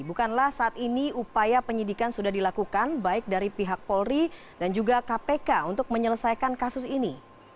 bukanlah saat ini upaya penyidikan sudah dilakukan baik dari pihak polri dan juga kpk untuk menyelesaikan kasus ini